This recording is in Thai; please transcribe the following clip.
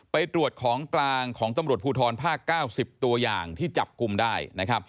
ไปตรวจของกลางของตำรวจภูทรภาค๙๐ตัวอย่างที่จับกลุ่มได้นะครับ